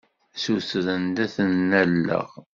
Ssutren-d ad ten-alleɣ.